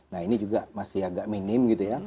nah ini juga masih agak minim gitu ya